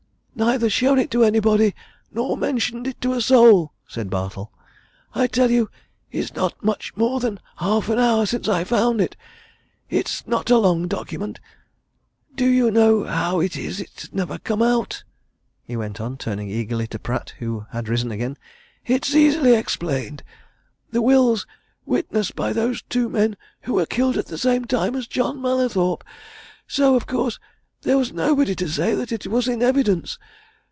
"Neither shown it to anybody, nor mentioned it to a soul," said Bartle. "I tell you it's not much more than half an hour since I found it. It's not a long document. Do you know how it is that it's never come out?" he went on, turning eagerly to Pratt, who had risen again. "It's easily explained. The will's witnessed by those two men who were killed at the same time as John Mallathorpe! So, of course, there was nobody to say that it was in evidence.